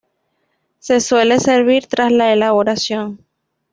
Se suele servir tras la elaboración.